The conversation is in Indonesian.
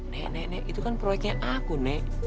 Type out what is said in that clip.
nek nek nek itu kan proyeknya aku nek